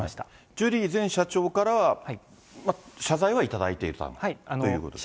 ジュリー前社長から謝罪はいただいていたということですね。